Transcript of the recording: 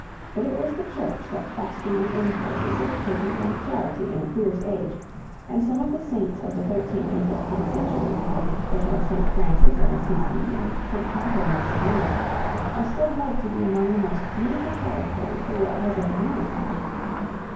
But it was the Church that fostered the impulses of pity and charity in a fierce age, and some of the saints of the thirteenth and fourteenth centuries, such as St. Francis of Assisi and St. Catharine of Siena, are still held to be among the most beautiful characters the world has ever known.